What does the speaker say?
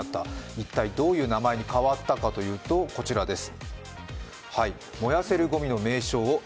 一体どういう名前に変わったかというとこちらです。